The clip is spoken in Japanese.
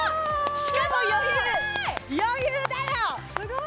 しかも余裕余裕だよ！